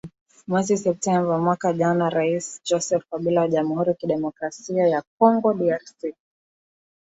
mwezi septemba mwaka jana rais joseph kabila wa jamhuri kidemokrasi ya congo drc